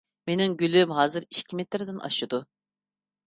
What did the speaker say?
مېنىڭ گۈلۈم ھازىر ئىككى مېتىردىن ئاشىدۇ.